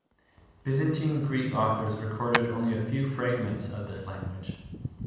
Byzantine Greek authors recorded only a few fragments of this language.